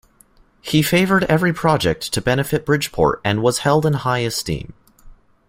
He favoured every project to benefit Bridgeport and was held in high esteem.